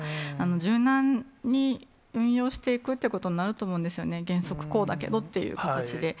柔軟に運用していくということになると思うんですよね、原則こうだけどという形で。